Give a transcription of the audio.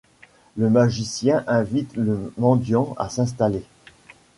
Le magicien invite le mendiant à s’installer.